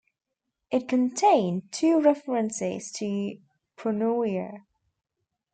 It contained two references to pronoia.